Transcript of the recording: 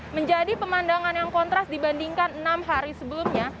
menjadi pemandangan yang kontras dibandingkan enam hari sebelumnya